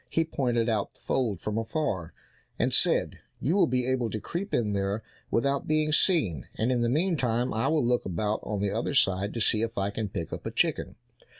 He pointed out the fold from afar, and said, "You will be able to creep in there without being seen, and in the meantime I will look about on the other side to see if I can pick up a chicken."